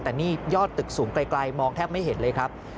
แต่นี่ยอดตึกสูงไกลมองแทบไม่เห็นเลยครับ